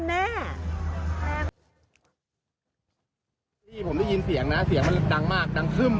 คนดีผมได้ยินเสียงมันดังมากดังขึ้น